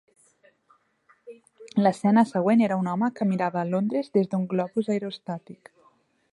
L'escena següent era un home que mirava Londres des d'un globus aerostàtic.